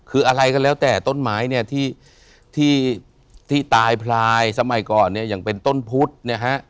คืออะไรก็แล้วแต่ต้นไม้เนี่ยที่ตายพลายสมัยก่อนเนี่ยอย่างเป็นต้นพุธเนี่ยฮะ